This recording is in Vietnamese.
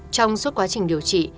trong suốt quá trình điều trị